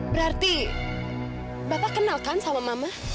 berarti bapak kenal kan sama mama